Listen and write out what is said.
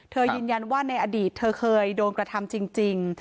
ยืนยันว่าในอดีตเธอเคยโดนกระทำจริง